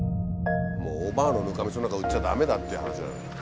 もうおばあのぬかみそなんか売っちゃ駄目だっていう話。